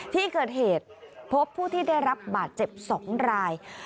ที่เกิดเหตุพบผู้ที่ได้รับบาดเจ็บ๒ราย